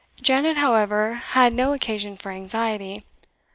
Janet, however, had no occasion for anxiety.